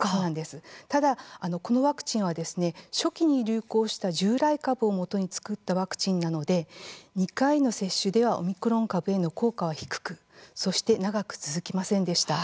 ただ、このワクチンは初期に流行した従来株をもとに作ったワクチンなので２回の接種ではオミクロン株への効果は低くそして長く続きませんでした。